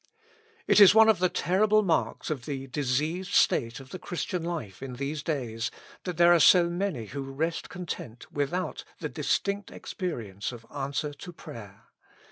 It is one of the terrible marks of the diseased state of Christian life in these days, that there are so many who rest content without the distinct experience of answer to prayer.